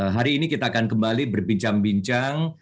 hari ini kita akan kembali berbincang bincang